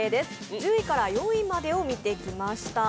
１０位から４位までを見てきました。